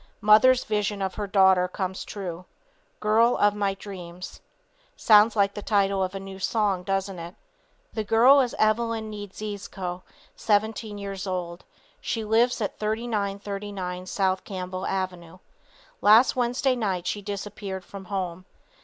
Mother's vision of her daughter comes true. Girl of my dreams. Sounds like the title of a new song, doesn't it. The girl is Evelyn Niedziezko, 17 years old. She lives at 3939 South Campbell avenue. Last Wednesday night she disappeared from home.